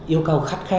yêu cầu khách hàng